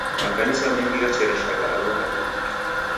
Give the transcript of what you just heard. Makanisa mengi ghachereshaghaagha matuku.